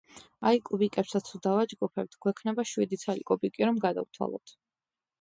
აი, კუბიკებსაც თუ დავაჯგუფებთ, გვექნება შვიდი ცალი კუბიკი რომ გადავთვალოთ.